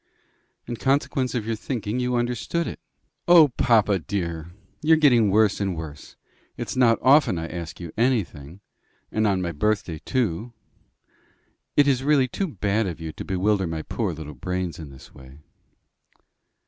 "In consequence of your thinking you understood it." "O, papa dear! you're getting worse and worse. It's not often I ask you anything and on my birthday too! It is really too bad of you to bewilder my poor little brains in this way."